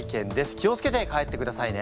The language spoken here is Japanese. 気を付けて帰ってくださいね。